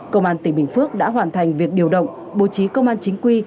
công an tỉnh bình phước đã hoàn thành việc điều động bố trí công an chính quy